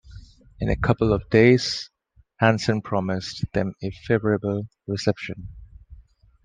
In a couple of days, Hansson promised them a favourable reception.